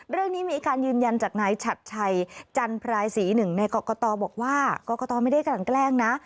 เรื่องนี้มีการยืนยันจากนายฉัดชัยจันพรายศรีหนึ่งในกรกตบอกว่ากรกตไม่ได้กลั่นแกล้งนะ